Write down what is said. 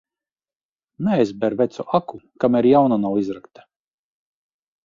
Neaizber vecu aku, kamēr jauna nav izrakta.